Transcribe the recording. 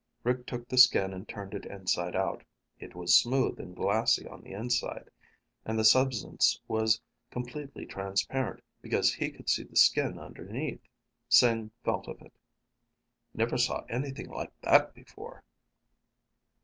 Rick took the skin and turned it inside out. It was smooth and glassy on the inside, and the substance was completely transparent because he could see the skin underneath. Sing felt of it. "Never saw anything like that before."